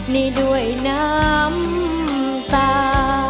นี่ด้วยน้ำตา